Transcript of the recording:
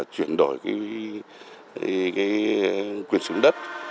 chuyển đổi cái quyền sử dụng đất